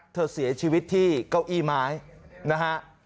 เสียชีวิตที่เก้าอี้ไม้นะฮะ